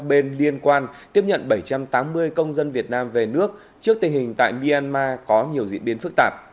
các bên liên quan tiếp nhận bảy trăm tám mươi công dân việt nam về nước trước tình hình tại myanmar có nhiều diễn biến phức tạp